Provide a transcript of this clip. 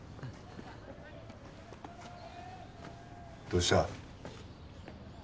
どうした？